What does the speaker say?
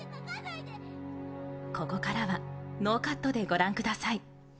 ここからはノーカットでご覧ください。